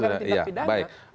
pelanggaran tidak pidana